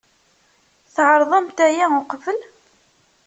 Tɛerḍemt aya uqbel?